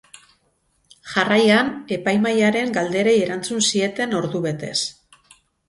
Jarraian, epaimahairen galderei erantzun zieten, ordubetez.